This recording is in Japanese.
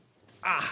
ああ！